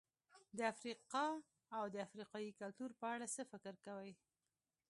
د افریقا او افریقایي کلتور په اړه څه فکر کوئ؟